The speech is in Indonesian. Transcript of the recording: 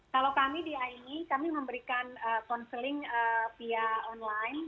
kalau kami di aimi kami memberikan counseling via online